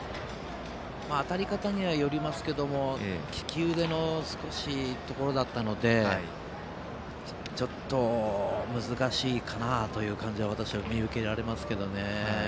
当たり方によりますけども利き腕のところだったのでちょっと難しいかなという感じは私は見受けられますけどね。